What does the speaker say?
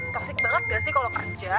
toxic banget gak sih kalau kerja